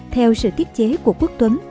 theo sự tiết chế của quốc tuấn